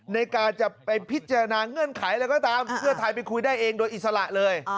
ในการจะไปพิจารณาเงื่อนไขอะไรก็ตามเพื่อไทยไปคุยได้เองโดยอิสระเลย